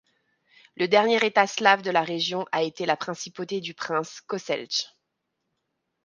Le dernier État slave de la région a été la principauté du prince Kocelj.